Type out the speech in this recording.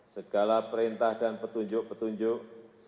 segala perintah dan petunjuk petunjuk